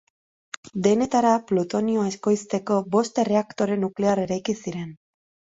Denetara plutonioa ekoizteko bost erreaktore nuklear eraiki ziren.